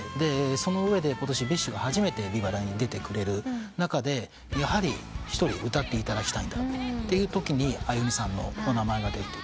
その上でことしＢｉＳＨが初めてビバラに出てくれる中でやはり一人歌っていただきたいってときにアユニさんのお名前が出て。